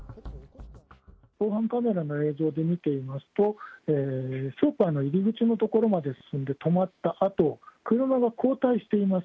防犯カメラの映像で見てみますと、スーパーの入り口の所まで進んで止まったあと、車が後退しています。